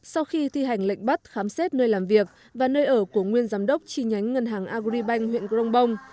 sau khi thi hành lệnh bắt khám xét nơi làm việc và nơi ở của nguyên giám đốc chi nhánh ngân hàng agribank huyện grongbong